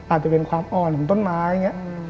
อาจจะเป็นความอ่อนของต้นไม้อย่างนี้